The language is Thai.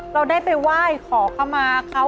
เราได้ไปไหว้ขอเข้ามาเขา